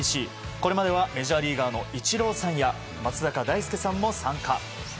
これまではメジャーリーガーのイチローさんや松坂大輔さんも参加。